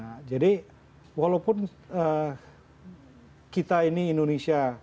nah jadi walaupun kita ini indonesia